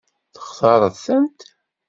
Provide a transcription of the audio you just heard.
Textaṛeḍ-tent?